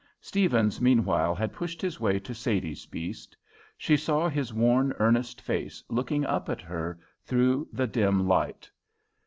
Stephens meanwhile had pushed his way to Sadie's beast. She saw his worn, earnest face looking up at her through the dim light.